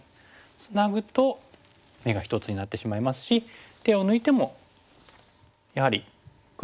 ツナぐと眼が１つになってしまいますし手を抜いてもやはり黒から入れますからね。